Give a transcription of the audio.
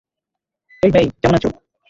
হেই May, কেমন আছো?